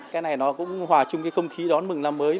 cái này nó cũng hòa chung cái không khí đón mừng năm mới